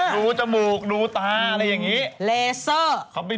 ดูจมูกดูตาอะไรอย่างนี้